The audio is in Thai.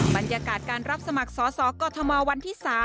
บรรยากาศการรับสมัครสอสอกอทมวันที่๓